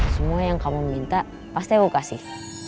semua yang kamu minta pasti aku kasih